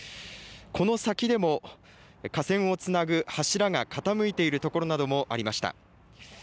この先でも河川をつなぐ柱が傾いている所などもありました。